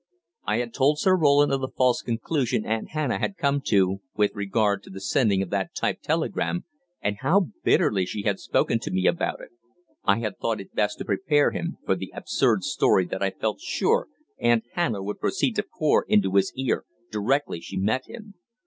I had told Sir Roland of the false conclusion Aunt Hannah had come to with regard to the sending of that typed telegram, and how bitterly she had spoken to me about it I had thought it best to prepare him for the absurd story that I felt sure Aunt Hannah would proceed to pour into his ear directly she met him.